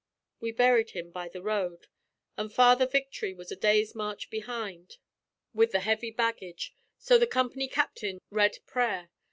We buried him by the road, an' Father Victory was a day's march behind with the heavy baggage, so the comp'ny captain read prayer.